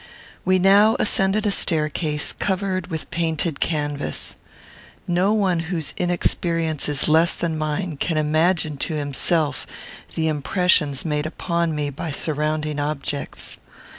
We now ascended a staircase, covered with painted canvas. No one whose inexperience is less than mine can imagine to himself the impressions made upon me by surrounding objects.